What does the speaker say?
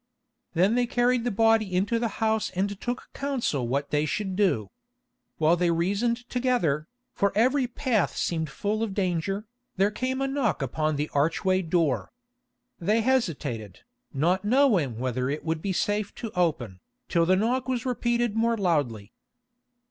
Then they carried the body into the house and took counsel what they should do. While they reasoned together, for every path seemed full of danger, there came a knock upon the archway door. They hesitated, not knowing whether it would be safe to open, till the knock was repeated more loudly.